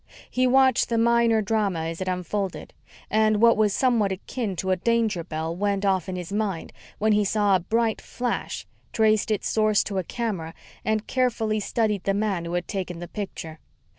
He watched the minor drama as it unfolded, and what was somewhat akin to a danger bell went off in his mind when he saw a bright flash, traced its source to a camera, and carefully studied the man who had taken the picture.